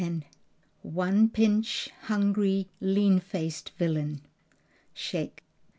"One Pinch, hungry, leanfac'd villain." _Shake.